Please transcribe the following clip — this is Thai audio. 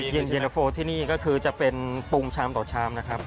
เย็นเย็นตะโฟที่นี่ก็คือจะเป็นปรุงชามต่อชามนะครับ